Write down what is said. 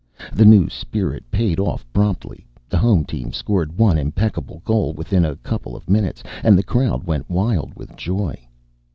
The new spirit paid off prompt ly. The home team scored one impeccable goal within a couple of minutes and the crowd went wild with joy.